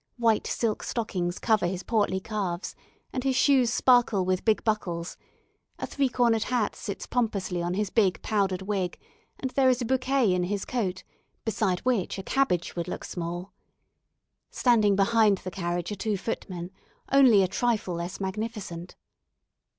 White silk stockings cover his portly calves, and his shoes sparkle with big buckles; a three cornered hat sits pompously on his big powdered wig, and there is a bouquet in his coat, beside which a cabbage would look small. Standing behind the carriage are two footmen, only a trifle less magnificent.